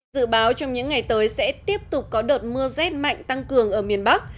dự báo trong những ngày tới sẽ tiếp tục có đợt mưa rét mạnh tăng cường ở miền bắc